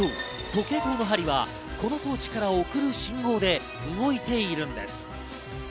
時計塔の針はこの装置から送る信号で動いているんです。